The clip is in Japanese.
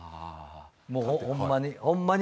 もうほんまに。